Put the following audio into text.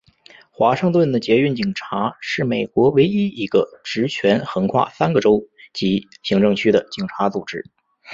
华盛顿的捷运警察是美国唯一一个职权横跨三个州级行政区的警察组织。